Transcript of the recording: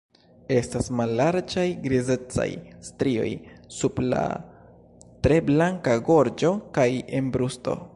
Estas mallarĝaj grizecaj strioj sub la tre blanka gorĝo kaj en brusto.